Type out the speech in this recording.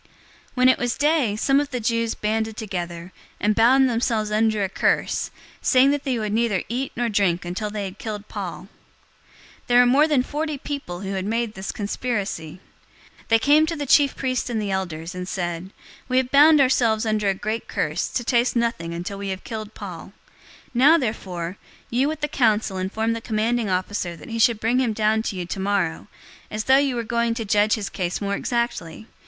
023:012 When it was day, some of the Jews banded together, and bound themselves under a curse, saying that they would neither eat nor drink until they had killed Paul. 023:013 There were more than forty people who had made this conspiracy. 023:014 They came to the chief priests and the elders, and said, "We have bound ourselves under a great curse, to taste nothing until we have killed Paul. 023:015 Now therefore, you with the council inform the commanding officer that he should bring him down to you tomorrow, as though you were going to judge his case more exactly.